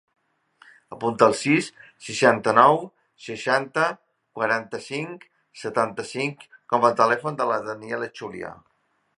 Apunta el sis, seixanta-nou, seixanta, quaranta-cinc, setanta-cinc com a telèfon de la Daniela Chulia.